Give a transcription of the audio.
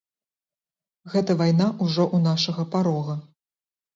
Гэта вайна ўжо ў нашага парога.